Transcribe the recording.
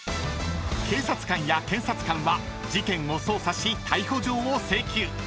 ［警察官や検察官は事件を捜査し逮捕状を請求］